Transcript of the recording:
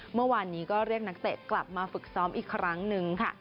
เมื่อวานนี้ก็เรียกนักเตะกลับมาฝึกซ้อมอีกครั้งหนึ่งค่ะ